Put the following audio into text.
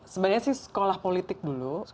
sebenarnya sih sekolah politik dulu